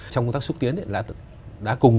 trong công tác xúc tiến đã cùng